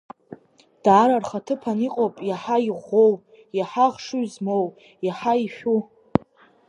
Дара рхаҭыԥан игылоит иаҳа иӷәӷәоу, иаҳа ахшыҩ змоу, иаҳа ишәу.